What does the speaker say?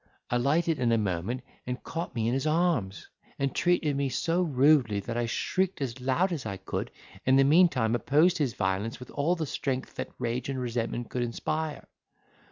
alighted in a moment, caught me in his arms, and treated me so rudely that I shrieked as loud as I could, and in the meantime opposed his violence with all the strength that rage and resentment could inspire.